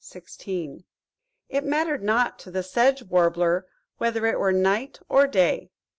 16. IT mattered not to the Sedge Warbler whether it were night or day!